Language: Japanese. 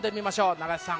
永瀬さん。